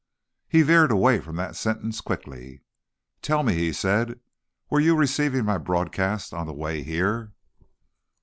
He veered away from that sentence quickly. "Tell me," he said, "were you receiving my broadcast on the way here?"